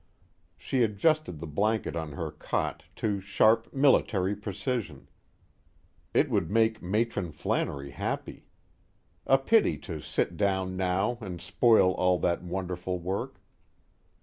_ She adjusted the blanket on her cot to sharp military precision: it would make Matron Flannery happy. A pity to sit down now and spoil all that wonderful work.